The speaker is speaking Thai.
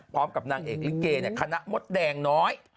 พร้อมกับนางเอกลิเกคณะมดแดงน้อย